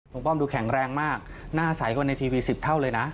ป้อมดูแข็งแรงมากหน้าใสกว่าในทีวี๑๐เท่าเลยนะ